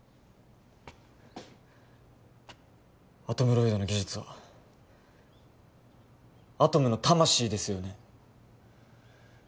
アトムロイドの技術はアトムの魂ですよね